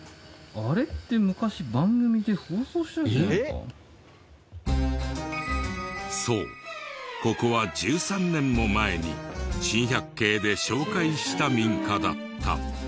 あれってそうここは１３年も前に『珍百景』で紹介した民家だった。